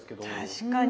確かに。